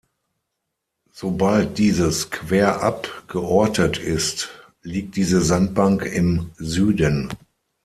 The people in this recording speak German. Sobald dieses querab geortet ist, liegt diese Sandbank im Süden.